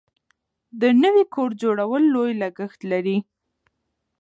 د نوي کور جوړول لوی لګښت لري.